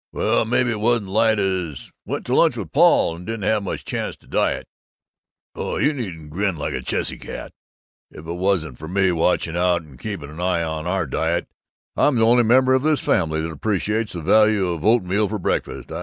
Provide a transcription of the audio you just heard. "Well, maybe it wasn't as light as Went to lunch with Paul and didn't have much chance to diet. Oh, you needn't to grin like a chessy cat! If it wasn't for me watching out and keeping an eye on our diet I'm the only member of this family that appreciates the value of oatmeal for breakfast.